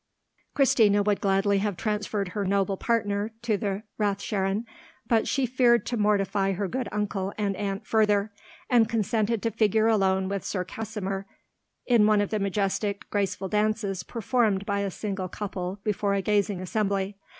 Christina would gladly have transferred her noble partner to the Rathsherrinn, but she feared to mortify her good uncle and aunt further, and consented to figure alone with Sir Kasimir in one of the majestic, graceful dances performed by a single couple before a gazing assembly.